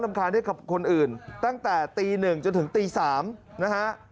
คาญให้กับคนอื่นตั้งแต่ตี๑จนถึงตี๓นะฮะ